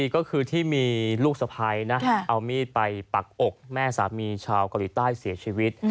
ก็คือที่มีลูกสะพ้ายนะเอามีดไปปักอกแม่สามีชาวเกาหลีใต้เสียชีวิต